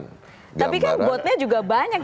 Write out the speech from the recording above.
tapi kan bot nya juga banyak